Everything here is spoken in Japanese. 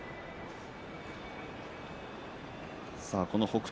北勝